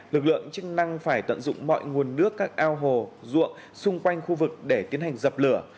lực lượng chức năng phải tận dụng mọi nguồn nước các ao hồ ruộng xung quanh khu vực để tiến hành dập lửa